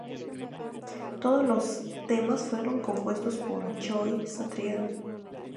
Todos los temas fueron compuestos por Joe Satriani.